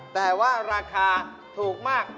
แต่ว่าราคาถูกมาก